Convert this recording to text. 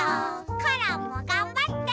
コロンもがんばって！